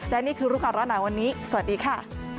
และนี่คือรูปการณ์หนาวันนี้สวัสดีค่ะ